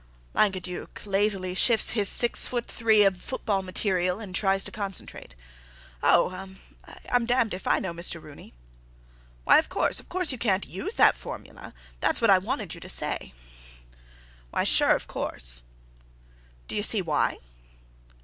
Langueduc lazily shifts his six foot three of football material and tries to concentrate. "Oh—ah—I'm damned if I know, Mr. Rooney." "Oh, why of course, of course you can't use that formula. That's what I wanted you to say." "Why, sure, of course." "Do you see why?"